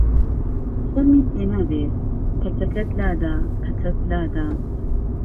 شهرمی پێ ناوێ پهچهکهت لاده پهچهت لاده